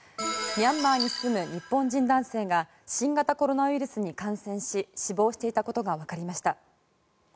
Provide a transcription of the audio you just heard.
ミャンマーに住む日本人男性が新型コロナウイルスに感染し死亡していたことがわかりました。